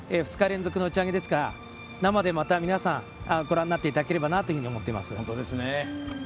２日連続の打ち上げですから生で、また皆さんご覧になっていただければなと思います。